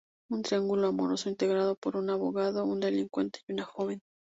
Un triángulo amoroso integrado por un abogado, un delincuente y una joven.